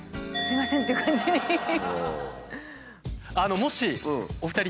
もしお二人錦鯉